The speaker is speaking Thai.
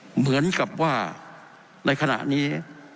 เหมือนกับว่าในขณะนี้